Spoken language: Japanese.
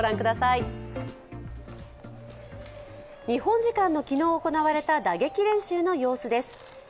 日本時間の昨日行われた打撃練習の様子です。